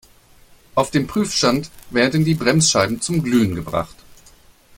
Auf dem Prüfstand werden die Bremsscheiben zum Glühen gebracht.